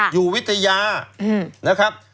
อยู่วิทยานะครับ